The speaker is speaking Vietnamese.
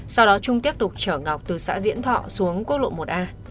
sau đó trung tiếp tục chở ngọc từ xã diễn thọ xuống quốc lộ một a